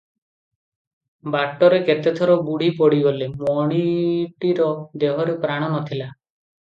ବାଟରେ କେତେଥର ବୁଢ଼ୀ ପଡ଼ିଗଲେ- ମଣିଟିର ଦେହରେ ପ୍ରାଣ ନ ଥିଲା ।